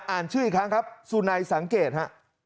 อ่านชื่ออีกครั้งครับสุนัยสังเกตฮะ